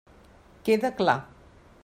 Queda clar.